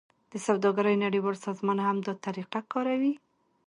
د سوداګرۍ نړیوال سازمان هم دا طریقه کاروي